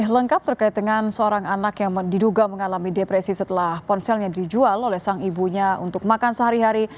lengkap terkait dengan seorang anak yang diduga mengalami depresi setelah ponselnya dijual oleh sang ibunya untuk makan sehari hari